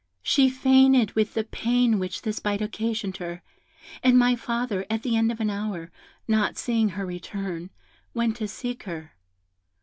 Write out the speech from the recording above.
She fainted with the pain which this bite occasioned her, and my father, at the end of an hour, not seeing her return, went to seek her.